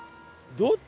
どっち？